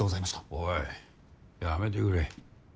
おいやめてくれ。